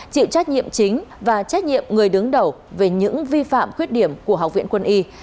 chịu trách nhiệm chính và trách nhiệm người đứng đầu về những vi phạm khuyết điểm của học viện quân y